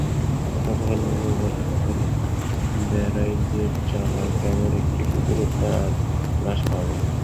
গতকাল মঙ্গলবার সকালে বেড়াইদেরচালা গ্রামের একটি পুকুরে তার লাশ পাওয়া যায়।